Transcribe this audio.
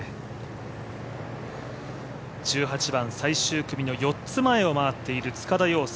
１８番最終組の４つ前を回っている塚田陽亮。